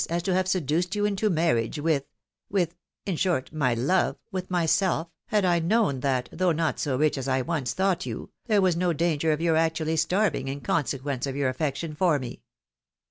as to have seduced you into marriage with — with — ^in short, my love, with myself, had I not known that, though not so rich as I once thought you, there was no danger of your actually starving in consequence of your affection for me."